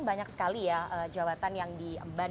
banyak sekali ya jawaban yang diemban